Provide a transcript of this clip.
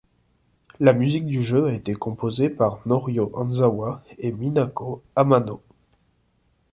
La musique du jeu a été composée par Norio Hanzawa et Minako Hamano.